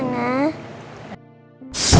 ขอบคุณมากมากนะ